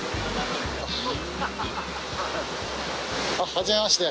はじめまして。